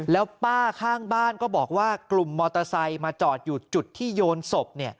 แล้วป้าข้างบ้านก็บอกว่ากลุ่มมอเตอร์ไซค์มาจอดอยู่จุดที่โยนศพ